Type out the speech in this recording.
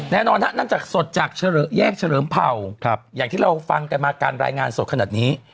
แน่นอนฮะนั่นจากสดจากแยกเฉลิมเผ่าอย่างที่เราฟังกันมาการรายงานสดขนาดนี้